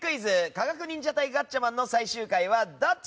「科学忍者隊ガッチャマン」の最終回はどっち？